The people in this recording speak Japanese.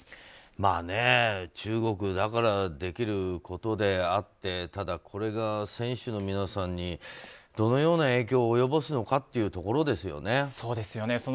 中国だからできることであってただ、これが選手の皆さんにどのような影響を及ぼすのかですよね。